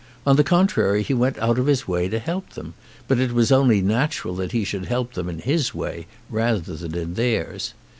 On the contrary he went out of his way to help them, but it was only natural that he should help them in his way rather than in theirs.